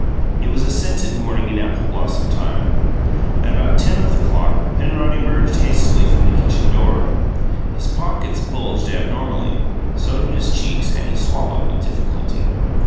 It was a scented morning in apple blossom time. At about ten of the clock Penrod emerged hastily from the kitchen door. His pockets bulged abnormally; so did his checks, and he swallowed with difficulty.